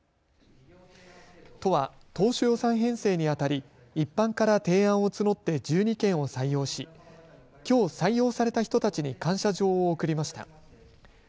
都は当初予算編成にあたり一般から提案を募って１２件を採用し、きょう採用された人たちに感謝状を贈りました。